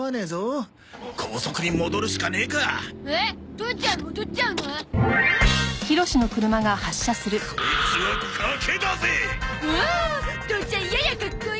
父ちゃんややかっこいい！